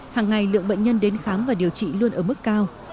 hàng ngày lượng bệnh nhân đến khám và điều trị luôn ở mức cao